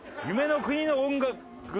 夢の国の音楽。